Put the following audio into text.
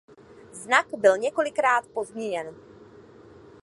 Znak byl několikrát pozměněn.